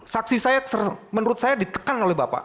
saksi saya menurut saya ditekan oleh bapak